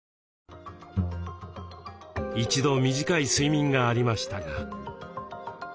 一度短い睡眠がありましたが。